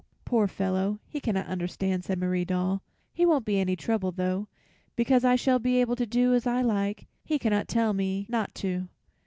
"Poor fellow, he cannot understand," said Marie Doll. "He won't be any trouble, though, because I shall be able to do as I like. He cannot tell me not to."